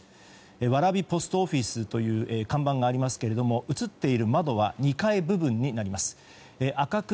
蕨ポストオフィスという看板がありますけれども映っている窓は２階部分になります。